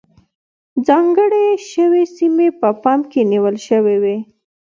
ځانګړې شوې سیمې په پام کې نیول شوې وې.